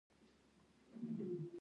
ته زما لپاره په یوې معجزوي معما بدل شوې.